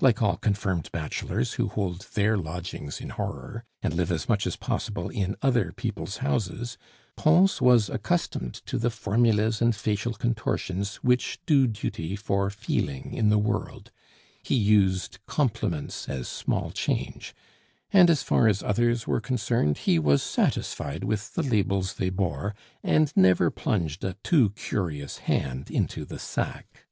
Like all confirmed bachelors, who hold their lodgings in horror, and live as much as possible in other people's houses, Pons was accustomed to the formulas and facial contortions which do duty for feeling in the world; he used compliments as small change; and as far as others were concerned, he was satisfied with the labels they bore, and never plunged a too curious hand into the sack.